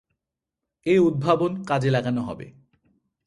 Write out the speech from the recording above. এ উদ্ভাবন কাজে লাগানো হবে।